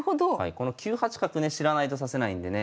この９八角ね知らないと指せないんでね。